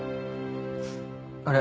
あれ？